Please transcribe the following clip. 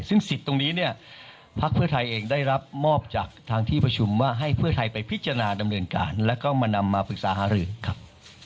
ซึ่งสิทธิ์ตรงนี้เนี่ยพักเพื่อไทยเองได้รับมอบจากทางที่ประชุมว่าให้เพื่อไทยไปพิจารณาดำเนินการแล้วก็มานำมาปรึกษาหารือครับ